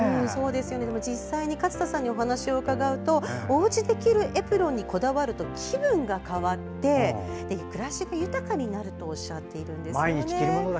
でも実際に勝田さんにお話を伺うとおうちで着るエプロンにこだわると、気分が変わって暮らしが豊かになるとおっしゃってるんですね。